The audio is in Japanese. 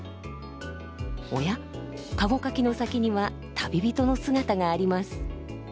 おや駕籠かきの先には旅人の姿があります。